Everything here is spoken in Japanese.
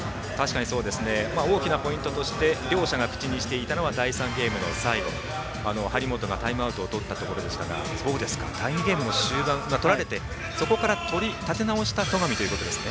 大きなポイントとして両者が口にしていたのは第３ゲームの最後張本がタイムアウトを取ったところでしたが第２ゲームの終盤取られてそこから立て直した戸上ということですね。